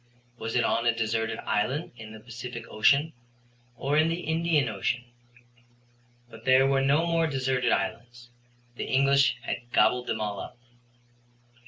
Was it on a deserted island in the Pacific Ocean or in the Indian Ocean? But there were no more deserted islands: the English had gobbled them all up.